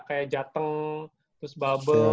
kayak jateng terus bubble